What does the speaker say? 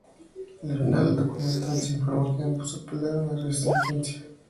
Al final del documental se informa que ambos apelaron a la sentencia.